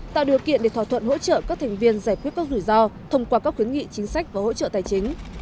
tạo điều kiện để thỏa thuận hỗ trợ các thành viên giải quyết các rủi ro thông qua các khuyến nghị chính sách và hỗ trợ tài chính